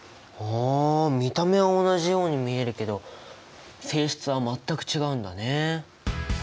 あ見た目は同じように見えるけど性質は全く違うんだね！